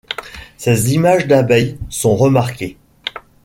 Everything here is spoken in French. Ses images d'abeilles sont remarquées.